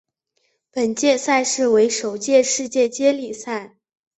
本届赛事为首届世界接力赛。